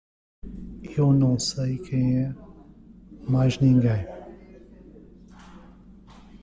Eu não sei quem é mais ninguém!